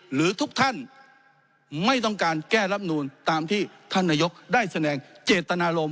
หรือทุกท่านไม่ต้องการแก้รับนูลตามที่ท่านนายกได้แสดงเจตนารมณ